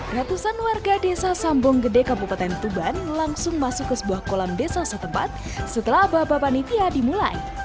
ratusan warga desa sambong gede kabupaten tuban langsung masuk ke sebuah kolam desa setempat setelah abah abah panitia dimulai